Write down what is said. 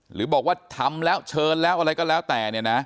หรือบอกว่าทำแล้วเชิญแล้วอะไรก็แล้วแต่เนี่ยนะ